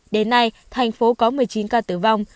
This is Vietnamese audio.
đến nay thành phố có một mươi chín ca tử vong